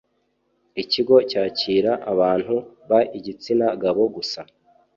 Ikigo cyakira abantu b igitsina gabo gusa